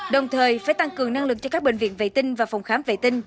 đồng thời phải tăng cường năng lực cho các bệnh viện vệ tinh và phòng khám vệ tinh